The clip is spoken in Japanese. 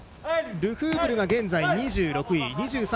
ルフーブルが現在２６位。